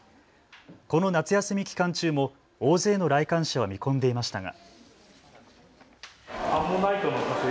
この夏休み期間中も大勢の来館者を見込んでいましたが。